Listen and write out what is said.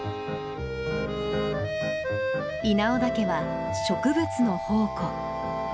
稲尾岳は植物の宝庫。